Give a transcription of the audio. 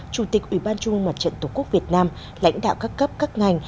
chủ tịch ủy ban trung ương mặt trận tổ quốc việt nam lãnh đạo các cấp các ngành